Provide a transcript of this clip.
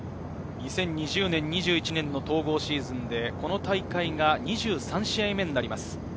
２０２０年、２１年の統合シーズンで、この大会が２３試合目になります。